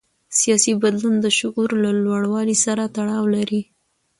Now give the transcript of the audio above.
سیاسي بدلون د شعور له لوړوالي سره تړاو لري